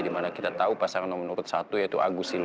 di mana kita tahu pasangan nomor satu yaitu agus silu